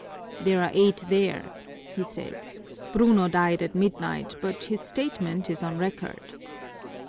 "There are eight there," he said. "Bruno died at midnight, but his statement is on record."